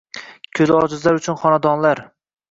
Ko‘zi ojizlar uchun xonadonlar